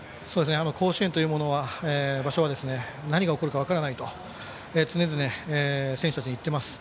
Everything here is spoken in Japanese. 甲子園という場所は何が起こるか分からないと常々、選手たちに言っています。